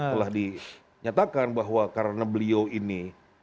telah dinyatakan bahwa karena beliau ini